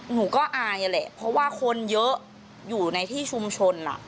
หนูก็อายแหละเพราะว่าคนเยอะอยู่ในที่ชุมชน